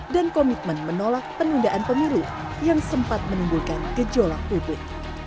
dan komitmen menolak penundaan pemilu yang sempat menimbulkan gejolak publik